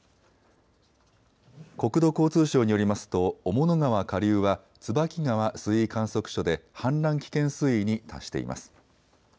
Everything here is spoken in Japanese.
国土交通省によりますと雄物川下流は椿川水位観測所で氾濫危険水位に達しています。